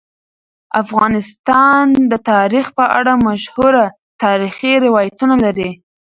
افغانستان د تاریخ په اړه مشهور تاریخی روایتونه لري.